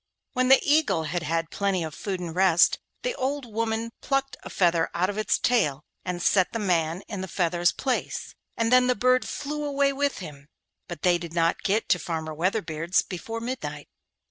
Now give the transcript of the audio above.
When the eagle had had plenty of food and rest, the old woman plucked a feather out of its tail, and set the man in the feather's place, and then the bird flew away with him, but they did not get to Farmer Weatherbeard's before midnight.